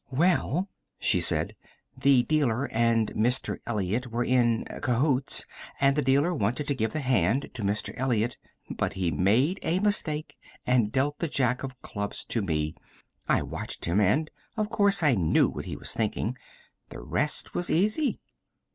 "Well," she said, "the dealer and Mr. Elliott were in cahoots, and the dealer wanted to give the hand to Mr. Elliott. But he made a mistake, and dealt the Jack of clubs to me. I watched him, and, of course, I knew what he was thinking. The rest was easy."